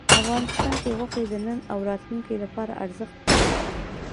افغانستان کې غوښې د نن او راتلونکي لپاره ارزښت لري.